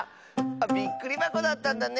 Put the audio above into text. びっくりばこだったんだね。